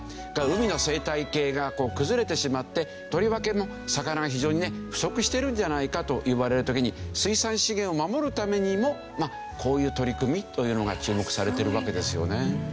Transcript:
海の生態系が崩れてしまってとりわけ魚が非常にね不足してるんじゃないかといわれる時に水産資源を守るためにもこういう取り組みというのが注目されてるわけですよね。